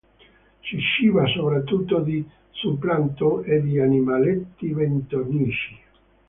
Si ciba soprattutto di zooplancton e di animaletti bentonici.